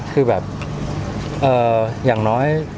คือแบบอย่างน้อย